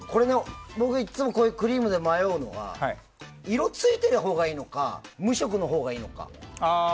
僕いつもこういうクリームで迷うのは色ついてるほうがいいのか無色のほうがいいのか。